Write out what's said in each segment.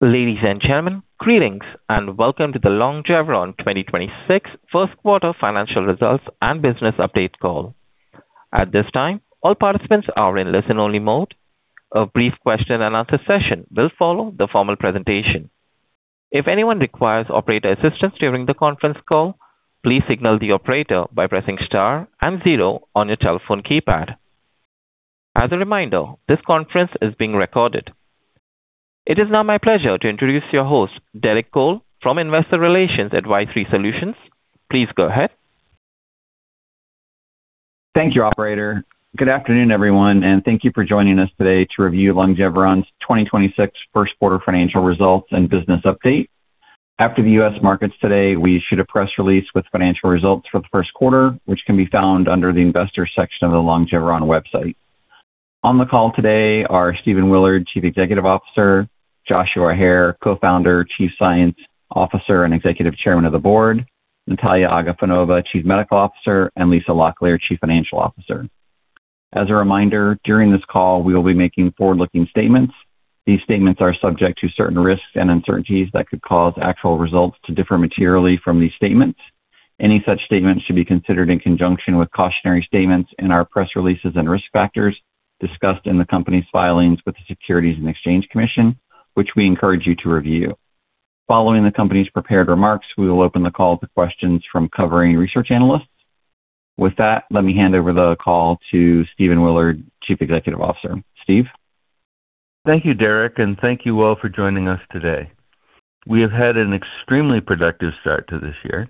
Ladies and gentlemen, greetings and welcome to the Longeveron 2026 Q1 financial results and business update call. At this time, all participants are in listen-only mode. A brief question and answer session will follow the formal presentation. If anyone requires operator assistance during the conference call, please signal the operator by pressing star and zero on your telephone keypad. As a reminder, this conference is being recorded. It is now my pleasure to introduce your host, Derek Cole from Investor Relations at Investor Relations Advisory Solutions. Please go ahead. Thank you, operator. Good afternoon, everyone, and thank you for joining us today to review Longeveron's 2026 Q1 financial results and business update. After the U.S. markets today, we issued a press release with financial results for the Q1, which can be found under the investor section of the Longeveron website. On the call today are Stephen Willard, Chief Executive Officer, Joshua Hare, Co-founder, Chief Science Officer, and Executive Chairman of the Board, Nataliya Agafonova, Chief Medical Officer, and Lisa Locklear, Chief Financial Officer. As a reminder, during this call, we will be making forward-looking statements. These statements are subject to certain risks and uncertainties that could cause actual results to differ materially from these statements. Any such statements should be considered in conjunction with cautionary statements in our press releases and risk factors discussed in the company's filings with the Securities and Exchange Commission, which we encourage you to review. Following the company's prepared remarks, we will open the call to questions from covering research analysts. With that, let me hand over the call to Stephen Willard, Chief Executive Officer. Stephen? Thank you, Derek, and thank you all for joining us today. We have had an extremely productive start to this year.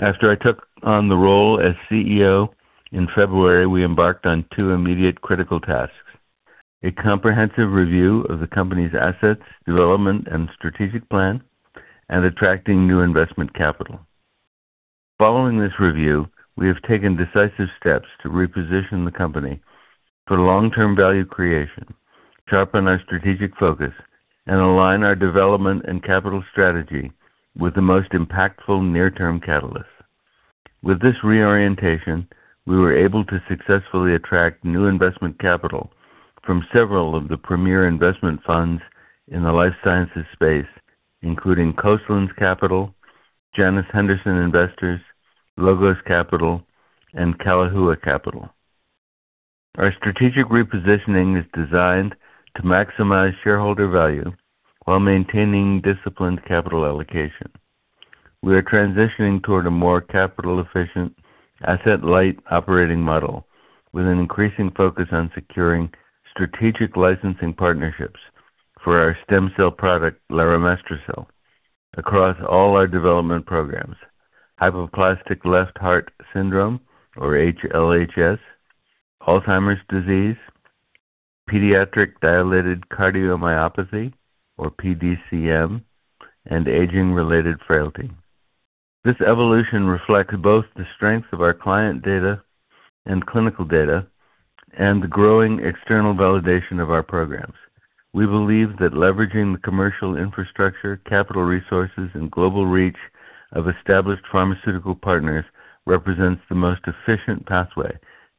After I took on the role as CEO in February, we embarked on two immediate critical tasks: a comprehensive review of the company's assets, development, and strategic plan, and attracting new investment capital. Following this review, we have taken decisive steps to reposition the company for long-term value creation, sharpen our strategic focus, and align our development and capital strategy with the most impactful near-term catalysts. With this reorientation, we were able to successfully attract new investment capital from several of the premier investment funds in the life sciences space, including Coastlands Capital, Janus Henderson Investors, Logos Capital, and Kalehua Capital. Our strategic repositioning is designed to maximize shareholder value while maintaining disciplined capital allocation. We are transitioning toward a more capital-efficient, asset-light operating model with an increasing focus on securing strategic licensing partnerships for our stem cell product, Laromestrocel, across all our development programs, hypoplastic left heart syndrome, or HLHS, Alzheimer's disease, pediatric dilated cardiomyopathy, or PDCM, and aging-related frailty. This evolution reflects both the strength of our client data and clinical data and the growing external validation of our programs. We believe that leveraging the commercial infrastructure, capital resources, and global reach of established pharmaceutical partners represents the most efficient pathway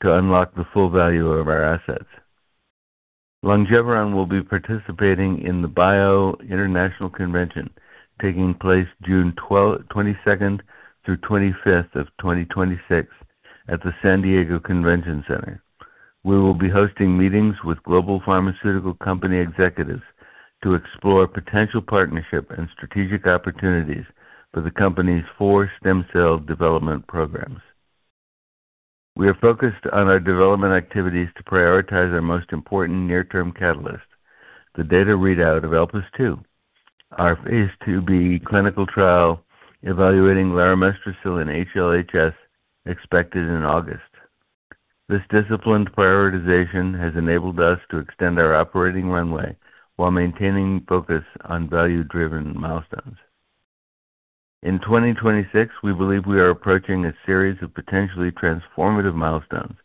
to unlock the full value of our assets. Longeveron will be participating in the BIO International Convention taking place June 22nd through 25th of 2026 at the San Diego Convention Center. We will be hosting meetings with global pharmaceutical company executives to explore potential partnership and strategic opportunities for the company's four stem cell development programs. We are focused on our development activities to prioritize our most important near-term catalyst, the data readout of ELPIS II, our phase II-B clinical trial evaluating laromestrocel in HLHS expected in August. This disciplined prioritization has enabled us to extend our operating runway while maintaining focus on value-driven milestones. In 2026, we believe we are approaching a series of potentially transformative milestones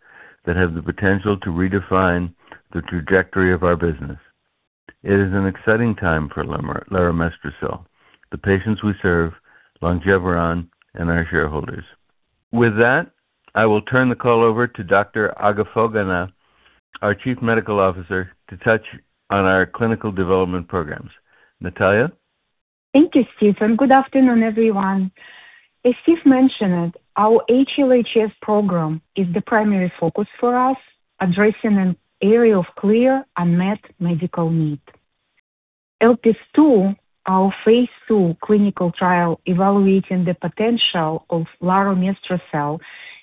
that have the potential to redefine the trajectory of our business. It is an exciting time for laromestrocel, the patients we serve, Longeveron, and our shareholders. With that, I will turn the call over to Dr. Agafonova, our Chief Medical Officer, to touch on our clinical development programs. Nataliya? Thank you, Stephen, and good afternoon, everyone. As Stephen mentioned, our HLHS program is the primary focus for us, addressing an area of clear unmet medical need. ELPIS II, our phase II clinical trial evaluating the potential of laromestrocel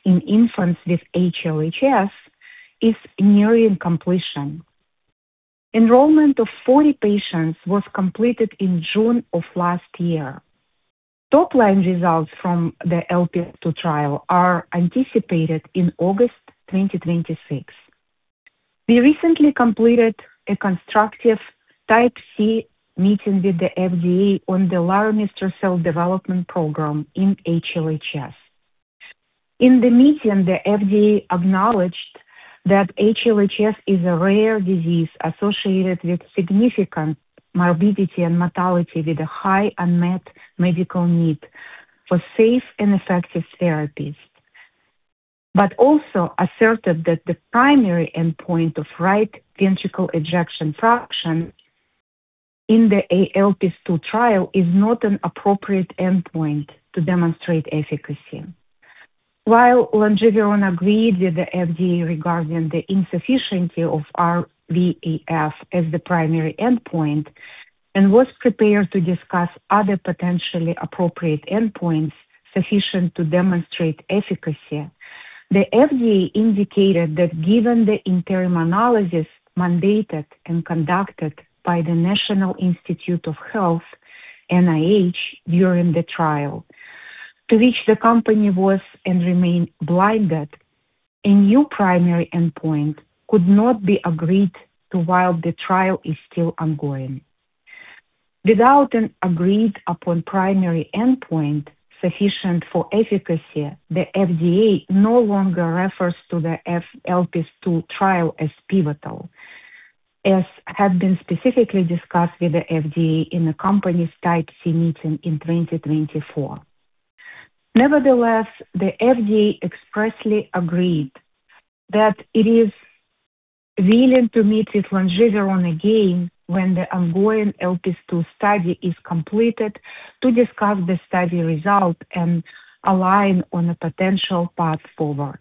in infants with HLHS, is nearing completion. Enrollment of 40 patients was completed in June of last year. Top-line results from the ELPIS II trial are anticipated in August 2026. We recently completed a constructive Type C meeting with the FDA on the laromestrocel development program in HLHS. In the meeting, the FDA acknowledged that HLHS is a rare disease associated with significant morbidity and mortality with a high unmet medical need for safe and effective therapies. Also asserted that the primary endpoint of right ventricle ejection fraction in the ELPIS II trial is not an appropriate endpoint to demonstrate efficacy. While Longeveron agreed with the FDA regarding the insufficiency of RVEF as the primary endpoint and was prepared to discuss other potentially appropriate endpoints sufficient to demonstrate efficacy, the FDA indicated that given the interim analysis mandated and conducted by the National Institutes of Health, NIH, during the trial, to which the company was and remain blinded, a new primary endpoint could not be agreed to while the trial is still ongoing. Without an agreed-upon primary endpoint sufficient for efficacy, the FDA no longer refers to the ELPIS II trial as pivotal, as had been specifically discussed with the FDA in the company's Type C meeting in 2024. Nevertheless, the FDA expressly agreed that it is willing to meet with Longeveron again when the ongoing ELPIS II study is completed to discuss the study results and align on a potential path forward.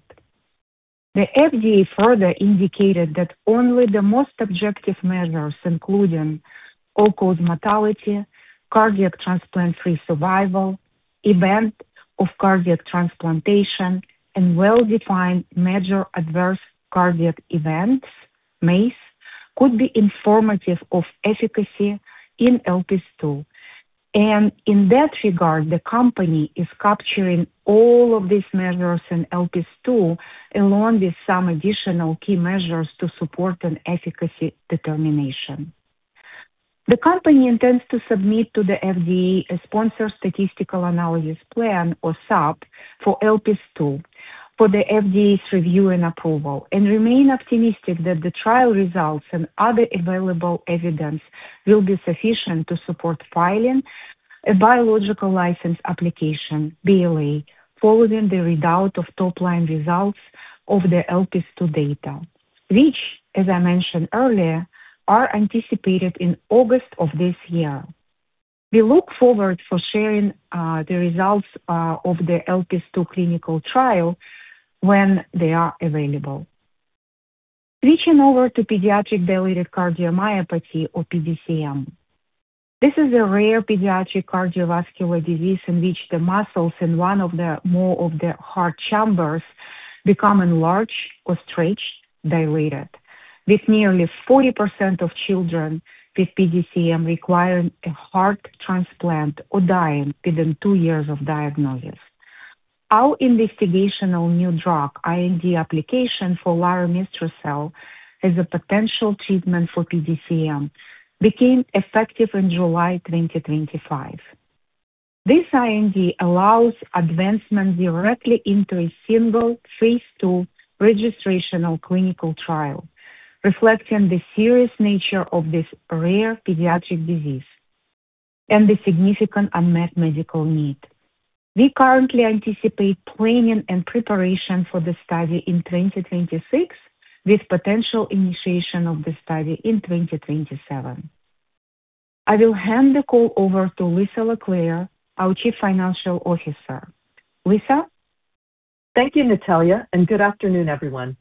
The FDA further indicated that only the most objective measures, including all-cause mortality, cardiac transplant-free survival, event of cardiac transplantation, and well-defined major adverse cardiac events, MACE, could be informative of efficacy in ELPIS II. In that regard, the company is capturing all of these measures in ELPIS II, along with some additional key measures to support an efficacy determination. The company intends to submit to the FDA a sponsor statistical analysis plan, or SAP, for ELPIS II for the FDA's review and approval and remain optimistic that the trial results and other available evidence will be sufficient to support filing a Biologics License Application, BLA, following the readout of top-line results of the ELPIS II data, which, as I mentioned earlier, are anticipated in August of this year. We look forward for sharing the results of the ELPIS II clinical trial when they are available. Switching over to pediatric dilated cardiomyopathy, or PDCM. This is a rare pediatric cardiovascular disease in which the muscles in one of the more of the heart chambers become enlarged or stretched, dilated, with nearly 40% of children with PDCM requiring a heart transplant or dying within 2 years of diagnosis. Our investigational new drug, IND, application for laromestrocel as a potential treatment for PDCM became effective in July 2025. This IND allows advancement directly into a single phase II registrational clinical trial, reflecting the serious nature of this rare pediatric disease and the significant unmet medical need. We currently anticipate planning and preparation for the study in 2026, with potential initiation of the study in 2027. I will hand the call over to Lisa Locklear, our chief financial officer. Lisa. Thank you, Nataliya, and good afternoon, everyone.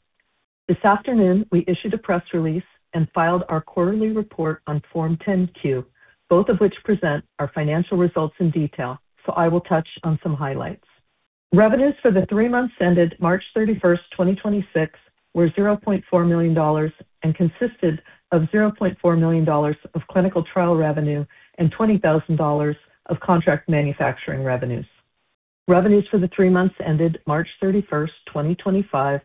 This afternoon, we issued a press release and filed our quarterly report on Form 10-Q, both of which present our financial results in detail, so I will touch on some highlights. Revenues for the 3 months ended 31st March 2026 were $0.4 million and consisted of $0.4 million of clinical trial revenue and $20,000 of contract manufacturing revenues. Revenues for the 3 months ended 31st March 2025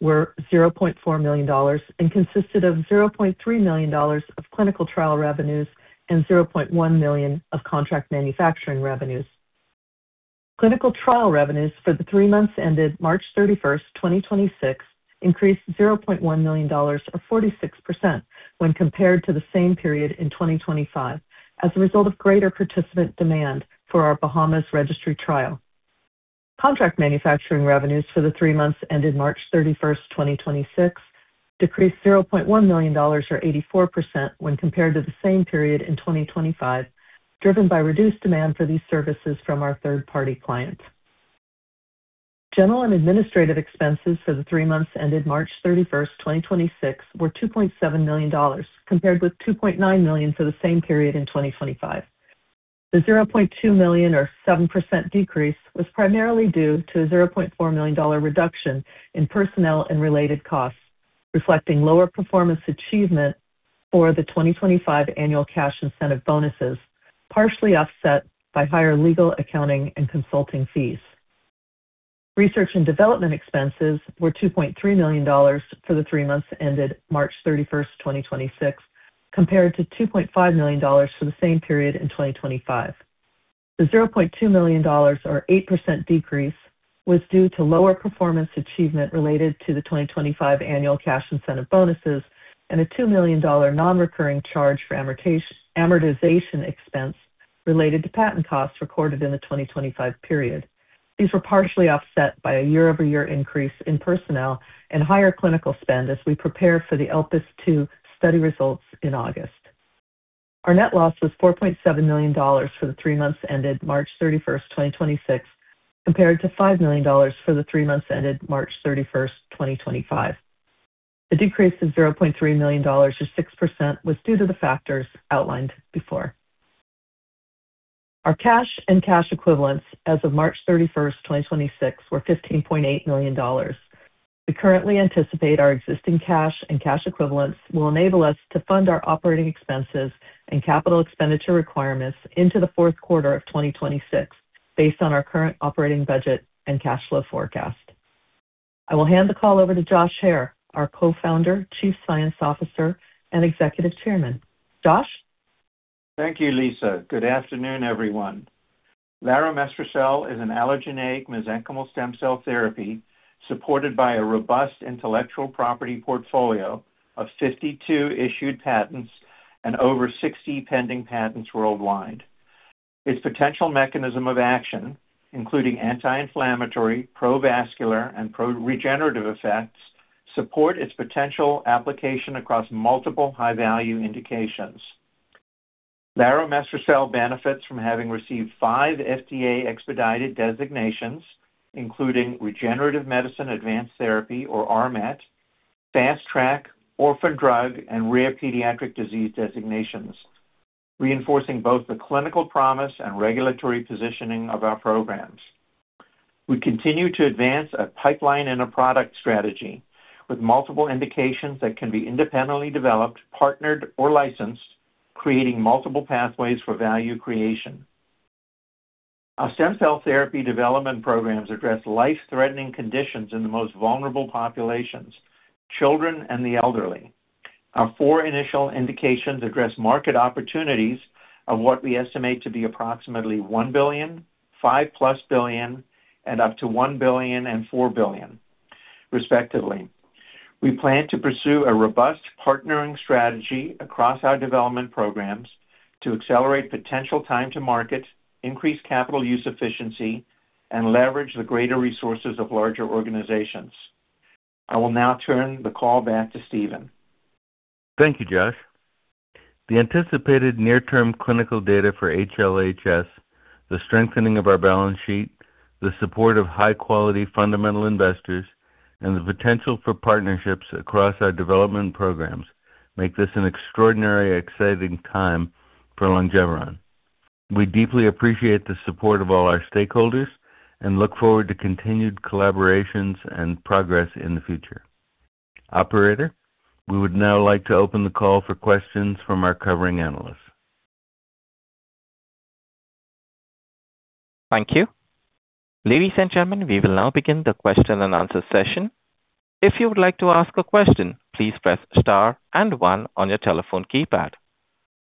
were $0.4 million and consisted of $0.3 million of clinical trial revenues and $0.1 million of contract manufacturing revenues. Clinical trial revenues for the 3 months ended 31st March 2026 increased $0.1 million or 46% when compared to the same period in 2025 as a result of greater participant demand for our Bahamas Registry Trial. Contract manufacturing revenues for the 3 months ended 31st March 2026 decreased $0.1 million or 84% when compared to the same period in 2025, driven by reduced demand for these services from our third-party clients. General and administrative expenses for the 3 months ended 31st March 2026 were $2.7 million, compared with $2.9 million for the same period in 2025. The $0.2 million or 7% decrease was primarily due to a $0.4 million reduction in personnel and related costs, reflecting lower performance achievement for the 2025 annual cash incentive bonuses, partially offset by higher legal, accounting, and consulting fees. Research and development expenses were $2.3 million for the 3 months ended March 31, 2026, compared to $2.5 million for the same period in 2025. The $0.2 million or 8% decrease was due to lower performance achievement related to the 2025 annual cash incentive bonuses and a $2 million non-recurring charge for amortization expense. Related to patent costs recorded in the 2025 period. These were partially offset by a year-over-year increase in personnel and higher clinical spend as we prepare for the ELPIS II study results in August. Our net loss was $4.7 million for the three months ended 31st March 2026, compared to $5 million for the three months ended 31st March 2025. The decrease of $0.3 million to 6% was due to the factors outlined before. Our cash and cash equivalents as of 31st March 2026 were $15.8 million. We currently anticipate our existing cash and cash equivalents will enable us to fund our operating expenses and capital expenditure requirements into the Q4 of 2026 based on our current operating budget and cash flow forecast. I will hand the call over to Joshua Hare, our Co-founder, Chief Science Officer, and Executive Chairman. Joshua? Thank you, Lisa. Good afternoon, everyone. Laromestrocel is an allogeneic mesenchymal stem cell therapy supported by a robust intellectual property portfolio of 52 issued patents and over 60 pending patents worldwide. Its potential mechanism of action, including anti-inflammatory, pro-vascular, and pro-regenerative effects, support its potential application across multiple high-value indications. Laromestrocel benefits from having received 5 FDA expedited designations, including Regenerative Medicine Advanced Therapy, or RMAT, Fast Track, Orphan Drug, and Rare Pediatric Disease designations, reinforcing both the clinical promise and regulatory positioning of our programs. We continue to advance a pipeline and a product strategy with multiple indications that can be independently developed, partnered, or licensed, creating multiple pathways for value creation. Our stem cell therapy development programs address life-threatening conditions in the most vulnerable populations, children and the elderly. Our four initial indications address market opportunities of what we estimate to be approximately $1 billion, $5+ billion, and up to $1 billion and $4 billion, respectively. We plan to pursue a robust partnering strategy across our development programs to accelerate potential time to market, increase capital use efficiency, and leverage the greater resources of larger organizations. I will now turn the call back to Stephen. Thank you, Joshua. The anticipated near-term clinical data for HLHS, the strengthening of our balance sheet, the support of high-quality fundamental investors, and the potential for partnerships across our development programs make this an extraordinary exciting time for Longeveron. We deeply appreciate the support of all our stakeholders and look forward to continued collaborations and progress in the future. Operator, we would now like to open the call for questions from our covering analysts. Thank you. Ladies and gentlemen, we will now begin the question and answer session.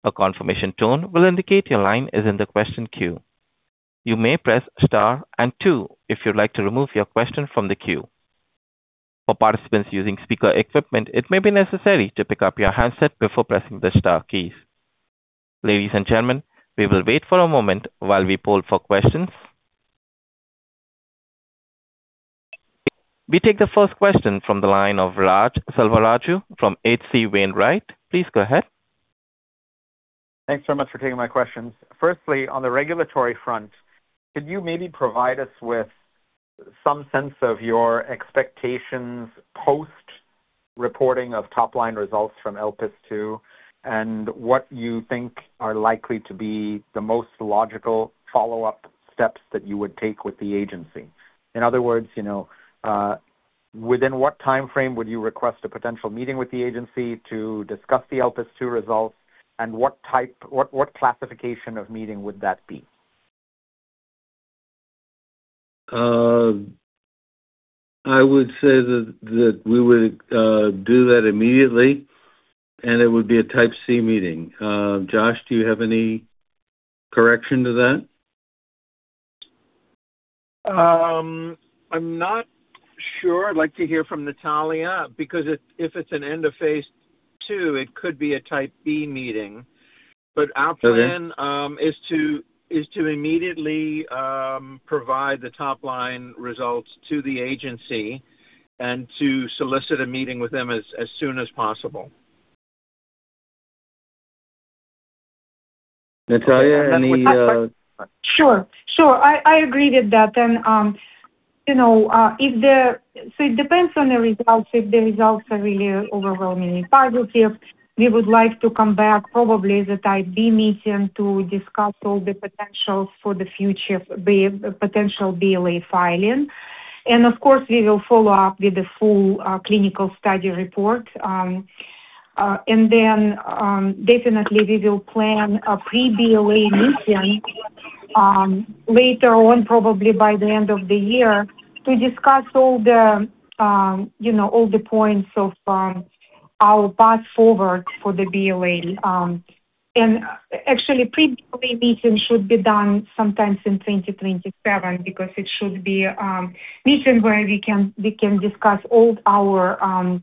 Ladies and gentlemen, we will wait for a moment while we poll for questions. We take the first question from the line of Raghuram Selvaraju from H.C. Wainwright & Co. Please go ahead. Thanks so much for taking my questions. Firstly, on the regulatory front, could you maybe provide us with some sense of your expectations post-reporting of top-line results from ELPIS II, and what you think are likely to be the most logical follow-up steps that you would take with the agency? In other words, you know, within what timeframe would you request a potential meeting with the agency to discuss the ELPIS II results, and what classification of meeting would that be? I would say that we would do that immediately, and it would be a Type C meeting. Josh, do you have any correction to that? I'm not sure. I'd like to hear from Nataliya because if it's an end of phase II, it could be a Type B meeting. Okay. Our plan is to immediately provide the top-line results to the agency and to solicit a meeting with them as soon as possible. Nataliya, any? Sure. Sure. I agree with that. It depends on the results. If the results are really overwhelmingly positive, we would like to come back probably the Type B meeting to discuss all the potentials for the future potential BLA filing. Of course, we will follow up with the full clinical study report. Definitely we will plan a pre-BLA meeting later on, probably by the end of the year, to discuss all the, you know, all the points of our path forward for the BLA. Actually, pre-BLA meeting should be done sometimes in 2027 because it should be meeting where we can discuss all our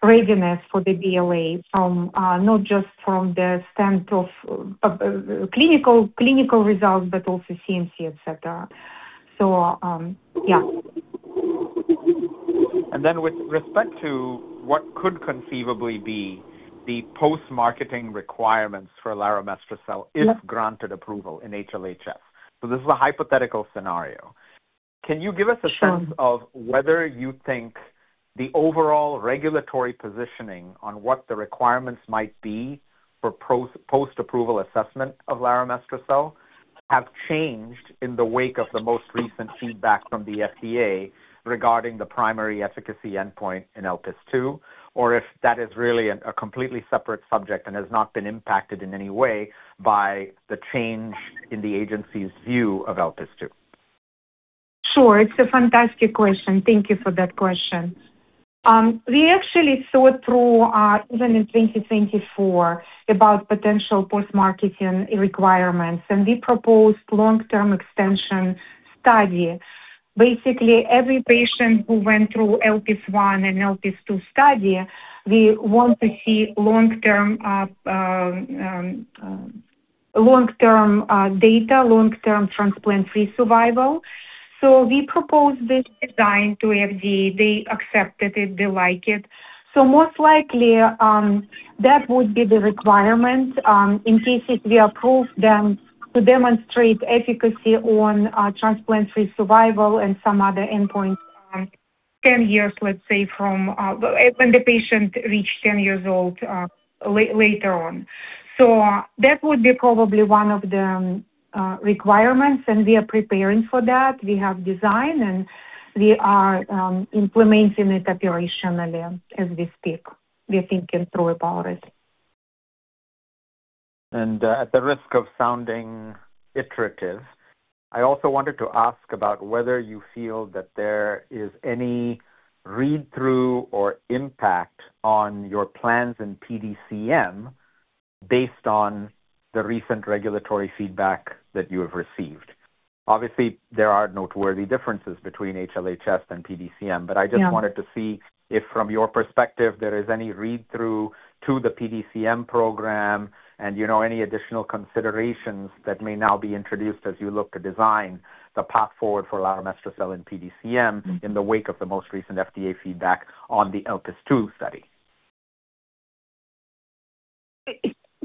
readiness for the BLA from not just from the standpoint of clinical results, but also CMC, et cetera. Yeah. With respect to what could conceivably be the post-marketing requirements for laromestrocel if granted approval in HLHS. This is a hypothetical scenario. Can you give us a sense of whether you think the overall regulatory positioning on what the requirements might be for post-approval assessment of laromestrocel have changed in the wake of the most recent feedback from the FDA regarding the primary efficacy endpoint in ELPIS II, or if that is really a completely separate subject and has not been impacted in any way by the change in the agency's view of ELPIS II? Sure. It's a fantastic question. Thank you for that question. We actually thought through even in 2024 about potential post-marketing requirements, we proposed long-term extension study. Basically, every patient who went through ELPIS I and ELPIS II study, we want to see long-term data, long-term transplant-free survival. We proposed this design to FDA. They accepted it. They like it. Most likely, that would be the requirement in case if we approve them to demonstrate efficacy on transplant-free survival and some other endpoints, 10 years, let's say, from when the patient reached 10 years old later on. That would be probably one of the requirements, we are preparing for that. We have design, we are implementing it operationally as we speak. We are thinking through about it. At the risk of sounding iterative, I also wanted to ask about whether you feel that there is any read-through or impact on your plans in PDCM based on the recent regulatory feedback that you have received. Obviously, there are noteworthy differences between HLHS and PDCM. Yeah. I just wanted to see if from your perspective, there is any read-through to the PDCM program and, you know, any additional considerations that may now be introduced as you look to design the path forward for laromestrocel in PDCM in the wake of the most recent FDA feedback on the ELPIS II study.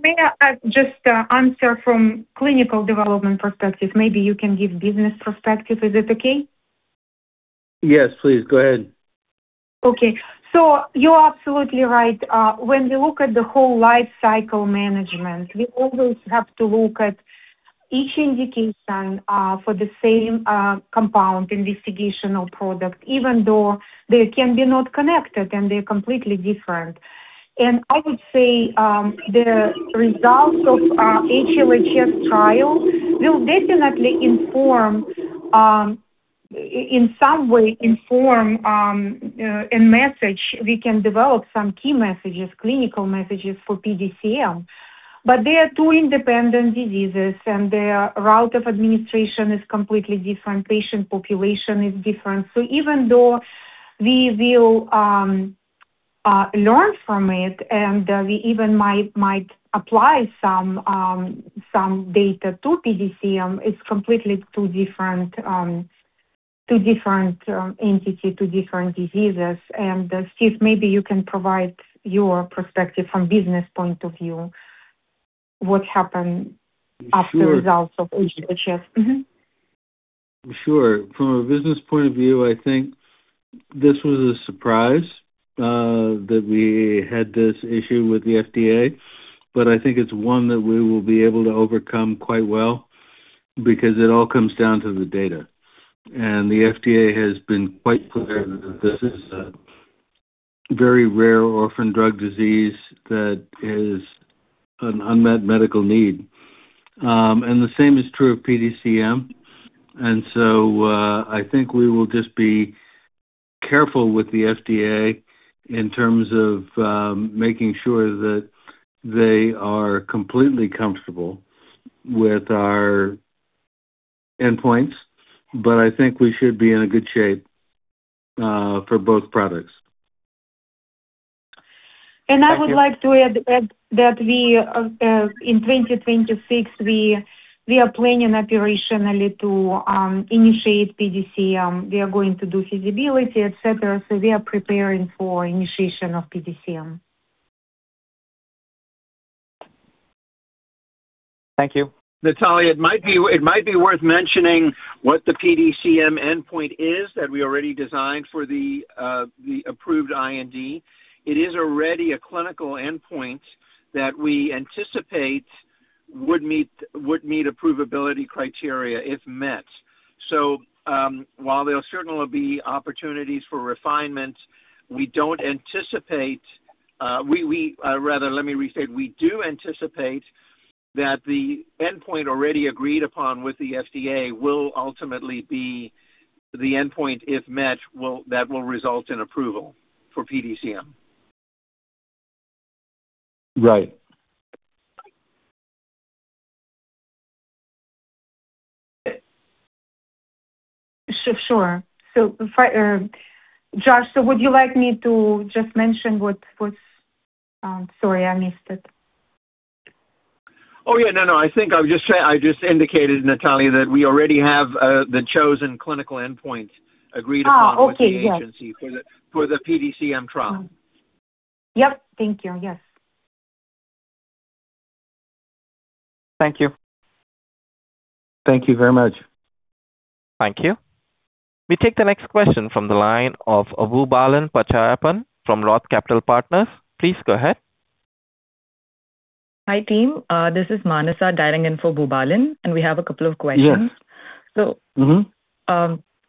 May I just answer from clinical development perspective? Maybe you can give business perspective. Is it okay? Yes, please. Go ahead. Okay. You're absolutely right. When we look at the whole life cycle management, we always have to look at each indication for the same compound investigational product, even though they can be not connected, and they're completely different. I would say, the results of our HLHS trial will definitely in some way inform a message. We can develop some key messages, clinical messages for PDCM. They are two independent diseases, and their route of administration is completely different. Patient population is different. Even though we will learn from it, and we even might apply some data to PDCM, it's completely two different, two different entity, two different diseases. Stephen, maybe you can provide your perspective from business point of view. Sure. -after results of HLHS. Mm-hmm. Sure. From a business point of view, I think this was a surprise that we had this issue with the FDA. I think it's one that we will be able to overcome quite well because it all comes down to the data. The FDA has been quite clear that this is a very rare Orphan Drug disease that is an unmet medical need. The same is true of PDCM. I think we will just be careful with the FDA in terms of making sure that they are completely comfortable with our endpoints. I think we should be in a good shape for both products. Thank you. I would like to add that we in 2026 are planning operationally to initiate PDCM. We are going to do feasibility, et cetera. We are preparing for initiation of PDCM. Thank you. Nataliya, it might be worth mentioning what the PDCM endpoint is that we already designed for the approved IND. It is already a clinical endpoint that we anticipate would meet approvability criteria if met. While there certainly will be opportunities for refinement, We do anticipate that the endpoint already agreed upon with the FDA will ultimately be the endpoint if met that will result in approval for PDCM. Right. Sure, sure. Joshua, would you like me to just mention what's? Sorry, I missed it. I just indicated, Nataliya, that we already have the chosen clinical endpoint agreed upon. Okay. Yes. with the agency for the PDCM trial. Yep. Thank you. Yes. Thank you. Thank you very much. Thank you. We take the next question from the line of Boobalan Pachaiyappan from Roth Capital Partners. Please go ahead. Hi, team. This is Manasa dialing in for Boobalan. We have a couple of questions. Yes. So-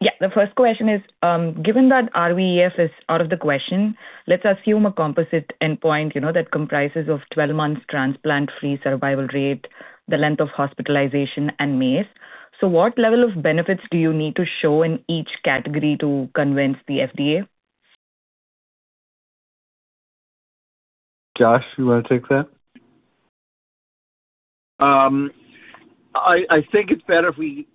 Yeah. The first question is, given that RVEF is out of the question, let's assume a composite endpoint, you know, that comprises of 12 months transplant-free survival rate, the length of hospitalization, and MACE. What level of benefits do you need to show in each category to convince the FDA? Joshua, you wanna take that? I think it's better if we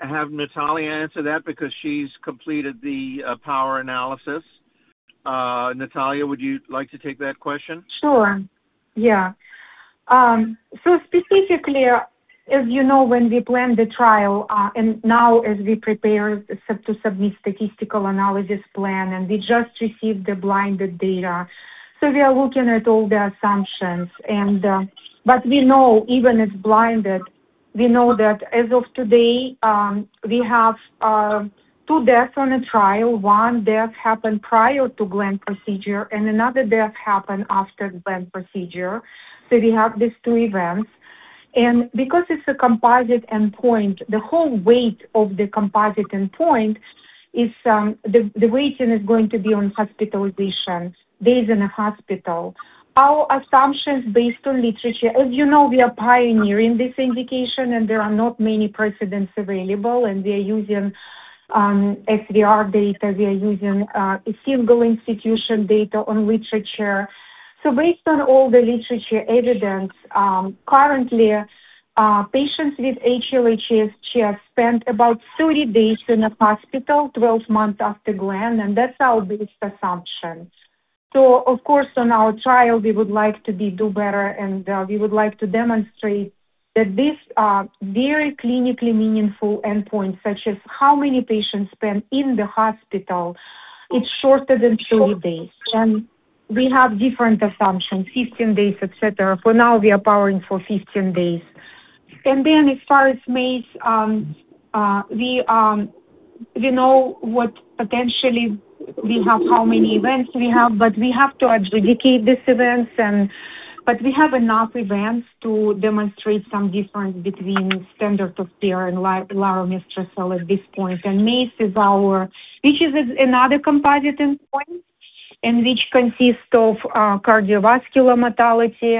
have Nataliya answer that because she's completed the power analysis. Nataliya, would you like to take that question? Sure. Yeah. Specifically, as you know, when we planned the trial, and now as we prepare to submit statistical analysis plan, and we just received the blinded data. We are looking at all the assumptions. We know, even it's blinded, we know that as of today, we have 2 deaths on the trial. 1 death happened prior to Glenn procedure, and another death happened after Glenn procedure. We have these 2 events. Because it's a composite endpoint, the whole weight of the composite endpoint is the weighting is going to be on hospitalizations, days in the hospital. Our assumptions based on literature. As you know, we are pioneering this indication, there are not many precedents available, and we are using SVR data. We are using a single institution data on literature. Based on all the literature evidence, currently, patients with HLHS just spent about 30 days in a hospital 12 months after Glenn, and that's our base assumptions. Of course, on our trial, we would like to do better, and we would like to demonstrate that these are very clinically meaningful endpoints, such as how many patients spend in the hospital. It's shorter than 30 days. We have different assumptions, 15 days, et cetera. For now, we are powering for 15 days. As far as MACE, we know what potentially we have, how many events we have, but we have to adjudicate these events. We have enough events to demonstrate some difference between standard of care and laromestrocel at this point. MACE is our, which is another composite endpoint, and which consists of cardiovascular mortality,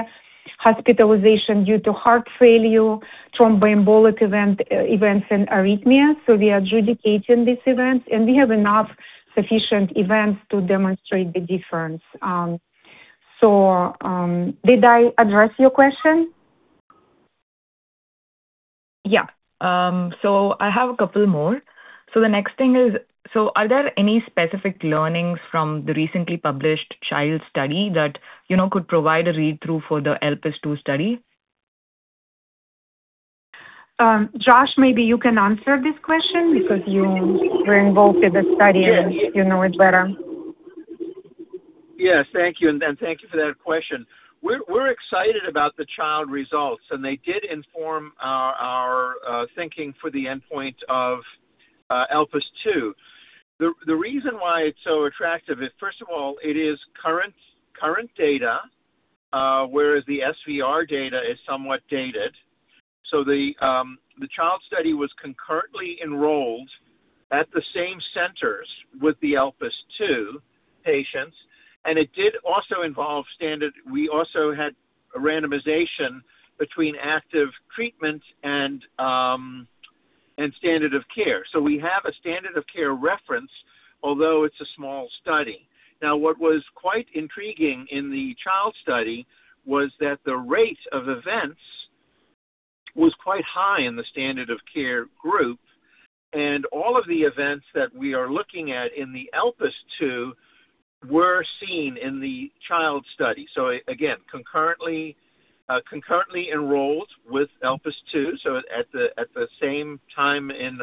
hospitalization due to heart failure, thromboembolic events and arrhythmia. We're adjudicating these events, and we have enough sufficient events to demonstrate the difference. So, did I address your question? Yeah. I have a couple more. The next thing is, are there any specific learnings from the recently published CHILD Study that, you know, could provide a read-through for the ELPIS II study? Joshua, maybe you can answer this question because you were involved in the study. You know it better. Yes. Thank you, and thank you for that question. We're excited about the CHILD Study results, and they did inform our thinking for the endpoint of ELPIS II. The reason why it's so attractive is, first of all, it is current data, whereas the SVR data is somewhat dated. The CHILD Study was concurrently enrolled at the same centers with the ELPIS II patients, and it did also involve We also had a randomization between active treatment and standard of care. We have a standard of care reference, although it's a small study. What was quite intriguing in the CHILD Study was that the rate of events was quite high in the standard of care group, and all of the events that we are looking at in the ELPIS II were seen in the CHILD Study. Again, concurrently enrolled with ELPIS II, at the same time in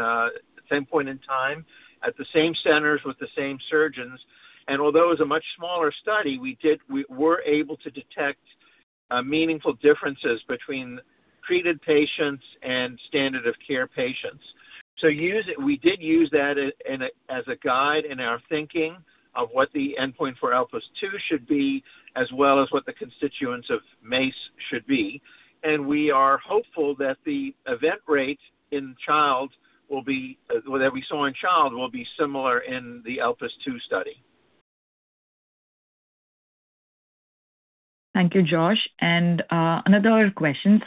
same point in time, at the same centers with the same surgeons. Although it was a much smaller study, we were able to detect meaningful differences between treated patients and standard of care patients. We did use that as a guide in our thinking of what the endpoint for ELPIS II should be, as well as what the constituents of MACE should be. We are hopeful that the event rate that we saw in CHILD will be similar in the ELPIS II study. Thank you, Joshua. Another question.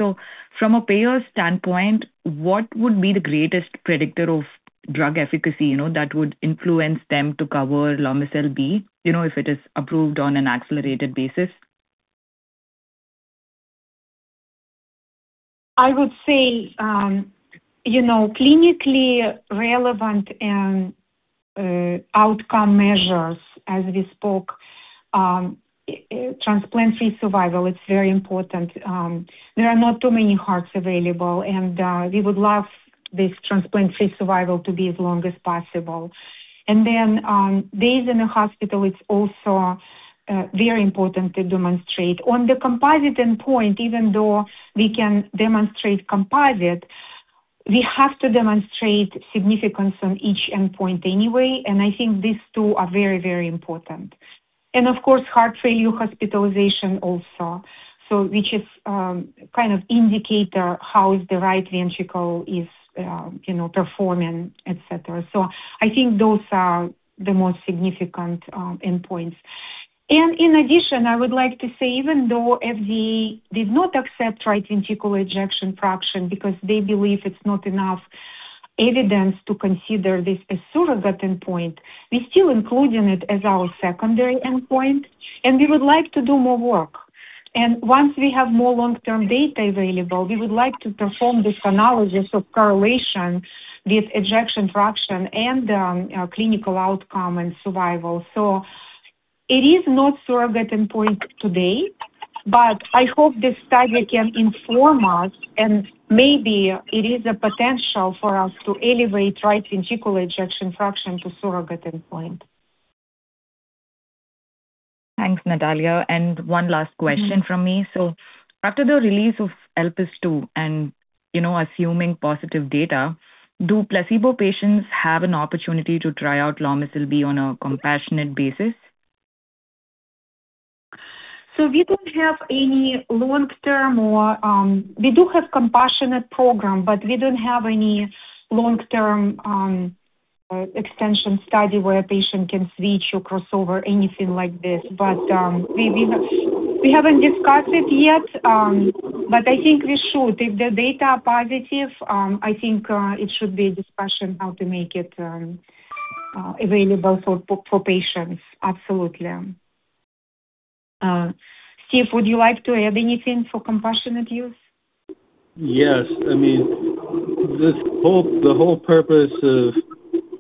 From a payer standpoint, what would be the greatest predictor of drug efficacy, you know, that would influence them to cover Lomecel-B, you know, if it is approved on an accelerated basis? I would say, you know, clinically relevant and outcome measures as we spoke, transplant-free survival, it's very important. There are not too many hearts available, and we would love this transplant-free survival to be as long as possible. Days in the hospital, it's also very important to demonstrate. On the composite endpoint, even though we can demonstrate composite, we have to demonstrate significance on each endpoint anyway. I think these two are very, very important. Of course, heart failure hospitalization also. Which is, kind of indicator how is the right ventricle is, you know, performing, et cetera. I think those are the most significant endpoints. In addition, I would like to say, even though FDA did not accept right ventricle ejection fraction because they believe it's not enough evidence to consider this a surrogate endpoint, we're still including it as our secondary endpoint, and we would like to do more work. Once we have more long-term data available, we would like to perform this analysis of correlation with ejection fraction and clinical outcome and survival. It is not surrogate endpoint today, but I hope this study can inform us, and maybe it is a potential for us to elevate right ventricle ejection fraction to surrogate endpoint. Thanks, Nataliya. One last question from me. After the release of ELPIS II and, you know, assuming positive data, do placebo patients have an opportunity to try out Lomecel-B on a compassionate basis? We do have compassionate program, but we don't have any long-term extension study where a patient can switch or crossover, anything like this. We haven't discussed it yet, but I think we should. If the data are positive, I think it should be a discussion how to make it available for patients. Absolutely. Steve, would you like to add anything for compassionate use? Yes. I mean, this whole, the whole purpose of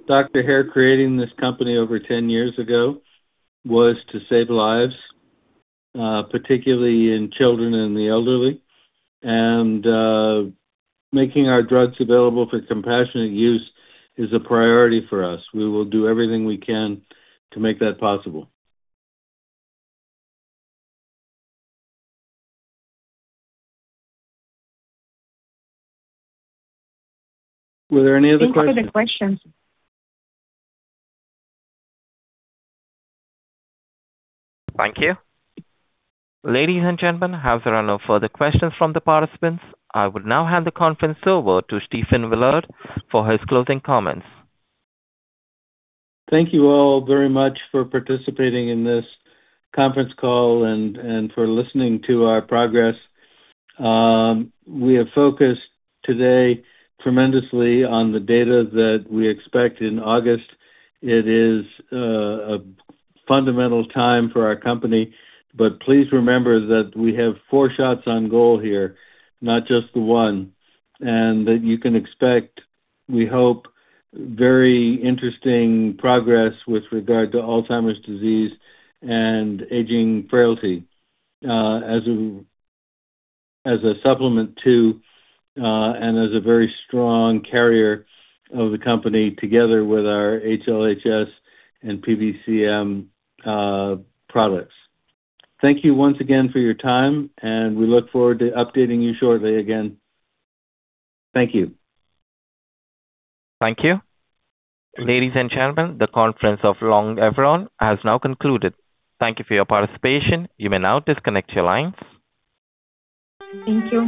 Dr. Hare creating this company over 10 years ago was to save lives, particularly in children and the elderly. Making our drugs available for compassionate use is a priority for us. We will do everything we can to make that possible. Were there any other questions? Thank you for the question. Thank you. Ladies and gentlemen, as there are no further questions from the participants, I would now hand the conference over to Stephen Willard for his closing comments. Thank you all very much for participating in this conference call and for listening to our progress. We have focused today tremendously on the data that we expect in August. It is a fundamental time for our company. Please remember that we have 4 shots on goal here, not just the 1. That you can expect, we hope, very interesting progress with regard to Alzheimer's disease and aging frailty, as a, as a supplement to, and as a very strong carrier of the company together with our HLHS and PDCM products. Thank you once again for your time, and we look forward to updating you shortly again. Thank you. Thank you. Ladies and gentlemen, the conference of Longeveron has now concluded. Thank you for your participation. You may now disconnect your lines. Thank you.